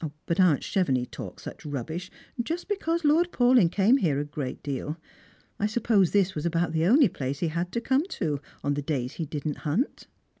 But aunt Chevenix talked euch rubbish, just because Lord Paulyn came here a good deal. I suppose this was about the only place he had to come to, on the days he didn't hunt."